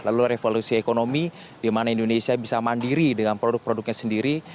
lalu revolusi ekonomi di mana indonesia bisa mandiri dengan produk produknya sendiri